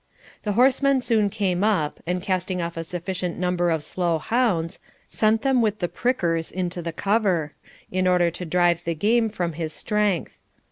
The horsemen soon came up, and casting off a sufficient number of slow hounds, sent them with the prickers into the cover, in order to drive the game from his strength.